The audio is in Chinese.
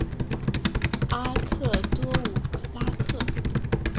阿克多武拉克。